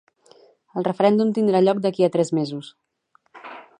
El referèndum tindrà lloc d'aquí a tres mesos.